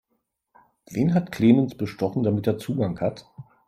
Wen hat Clemens bestochen, damit er Zugang hat?